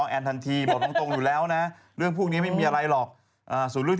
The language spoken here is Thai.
อันนี้ไม่รู้เหมือนกัน